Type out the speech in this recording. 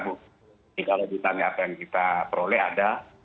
jadi kalau ditanya apa yang kita peroleh ada